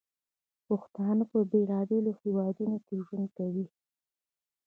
پښتانه په بیلابیلو هیوادونو کې ژوند کوي.